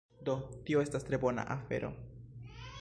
Do, tio estas tre bona afero